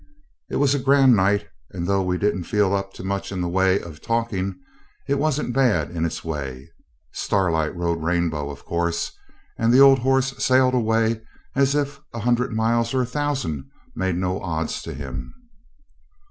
It was a grand night, and, though we didn't feel up to much in the way of talking, it wasn't bad in its way. Starlight rode Rainbow, of course; and the old horse sailed away as if a hundred miles or a thousand made no odds to him.